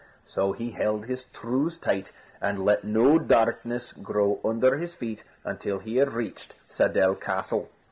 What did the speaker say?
So he held his trews tight, and let no darkness grow under his feet, until he had reached Saddell Castle.